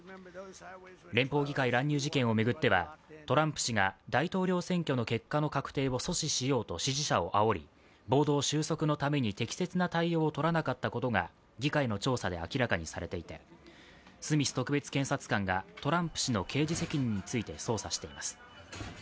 連邦議会乱入事件を巡っては、トランプ氏が大統領選挙の結果の確定を阻止しようと支持者をあおり、暴動収束のために適切な対応を取らなかったことが議会の調査で明らかにされていてスミス特別検察官がトランプ氏の刑事責任について捜査しています。